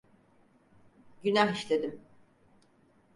Günah işledim.